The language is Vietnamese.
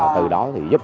từ đó thì giúp